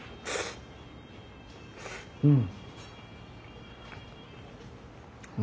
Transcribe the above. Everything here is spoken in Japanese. うん。